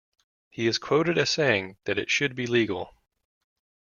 He is quoted as saying that it should be legal.